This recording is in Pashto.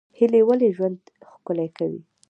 هیلې ولې ژوند ښکلی کوي؟